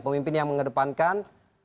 pemimpin yang mengedepankan